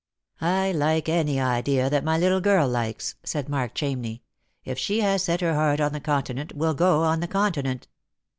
" I like any idea that my little girl likes," said Mark Chamney. " If she has set her heart on the Continent, we'll go on the Continent."